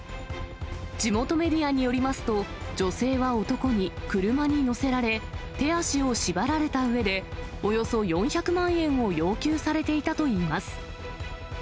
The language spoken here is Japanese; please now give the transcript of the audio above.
地元メディアによりますと、女性は男に車に乗せられ、手足を縛られたうえで、およそ４００万円を要求されていたといいます。